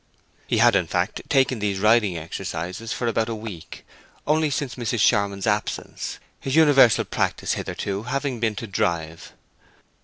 He had, in fact, taken these riding exercises for about a week, only since Mrs. Charmond's absence, his universal practice hitherto having been to drive.